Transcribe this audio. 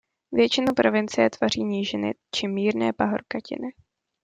Většinu provincie tvoří nížiny či mírné pahorkatiny.